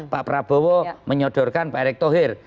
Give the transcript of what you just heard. pak prabowo menyodorkan pak erick thohir